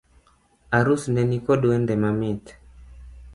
Arus ne nikod wende mamit